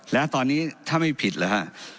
แล้วตอนนี้ถ้าไม่ผิดเหรอฮะ